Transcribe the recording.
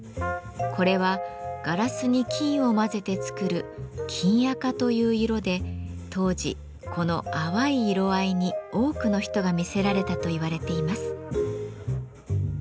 これはガラスに金を混ぜて作る「金赤」という色で当時この淡い色合いに多くの人が魅せられたといわれています。